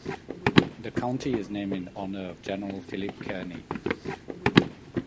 The county is named in honor of General Philip Kearny.